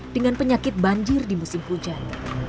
dengan penyakit banjir di musim hujan